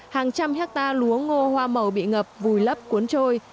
hàng trăm hectare lúa ngô hoa màu bị ngập vùi lấp cuốn trôi